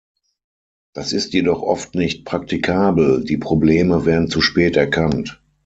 Das ist jedoch oft nicht praktikabel, die Probleme werden zu spät erkannt.